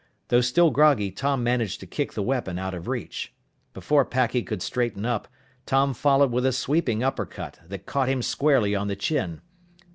Though still groggy, Tom managed to kick the weapon out of reach. Before Packy could straighten up, Tom followed with a sweeping uppercut that caught him squarely on the chin.